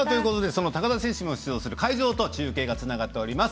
その高田選手が登場する会場と中継がつながっています。